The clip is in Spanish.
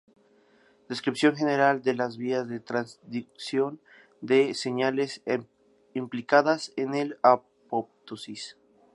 Descripción general de las vías de transducción de señales implicadas en la apoptosis.